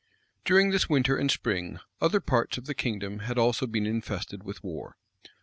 [] During this winter and spring, other parts of the kingdom had also been infested with war.